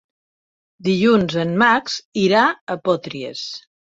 Dilluns en Max irà a Potries.